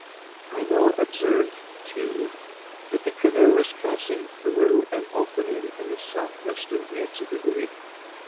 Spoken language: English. I now observed, too, that the canoe was passing through an opening in the south western edge of the reef.